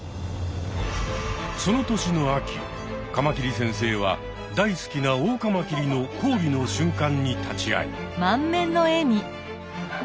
その年の秋カマキリ先生は大好きなオオカマキリの交尾の瞬間に立ち会い。